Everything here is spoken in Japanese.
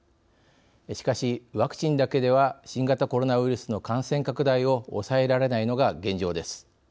しかし、ワクチンだけでは新型コロナウイルスの感染拡大を抑えられないのが現状です。